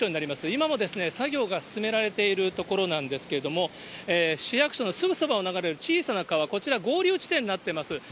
今もですね、作業が進められているところなんですけれども、市役所のすぐそばを流れる小さな川、こちら合流地点になっています。